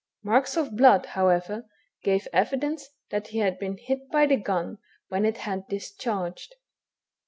Marks of blood, however, gave evidence that he had been hit by the gun when it had discharged.